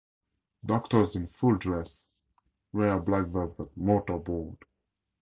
Doctors in full dress wear a black velvet mortar board.